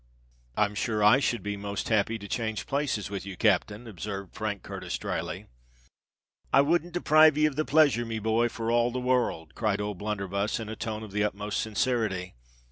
"I'm sure I should be most happy to change places with you, captain," observed Frank Curtis drily. "I wouldn't deprive ye of the pleasure, me boy, for all the wor r ld!" cried O'Blunderbuss, in a tone of the utmost sincerity.